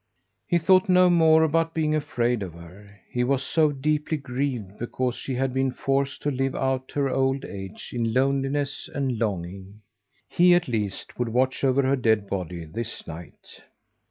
He thought no more about being afraid of her. He was so deeply grieved because she had been forced to live out her old age in loneliness and longing. He, at least, would watch over her dead body this night.